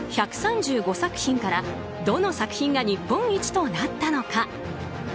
１３５作品からどの作品が日本一となったのか。